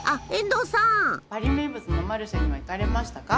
パリ名物のマルシェには行かれましたか？